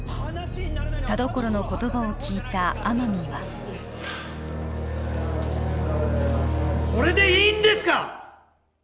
田所の言葉を聞いた天海はこれでいいんですか？